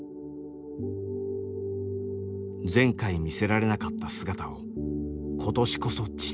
前回見せられなかった姿を今年こそ父に見せる。